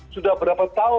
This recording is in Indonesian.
sudah berapa tahun